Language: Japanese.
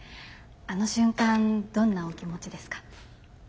あの瞬間どんなお気持ちですか？